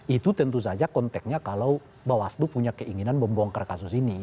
itu tentu saja konteknya kalau bawaslu punya keinginan membongkar kasus ini